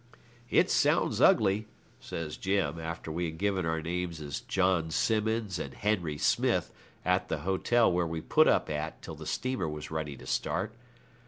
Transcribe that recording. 'It sounds ugly,' says Jim, after we had given our names as John Simmons and Henry Smith at the hotel where we put up at till the steamer was ready to start.